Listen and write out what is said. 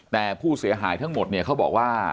แต่ผู้เสียหายทั้งหมดเนี่ยเขาบอกว่า